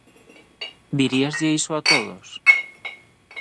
Diríaslle iso a todos?